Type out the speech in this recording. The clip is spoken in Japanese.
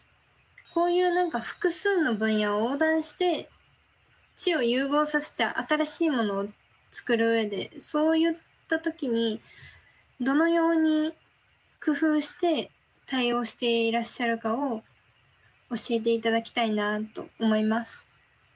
こういう複数の分野を横断して知を融合させた新しいものを作る上でそういった時にどのように工夫して対応していらっしゃるかを教えて頂きたいなと思います。